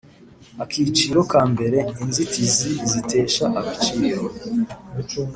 Akiciro kambere Inzitizi zitesha agaciro